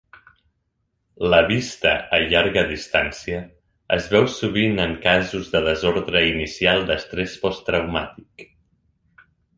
La vista a llarga distància es veu sovint en casos de desordre inicial d'estrès post-traumàtic.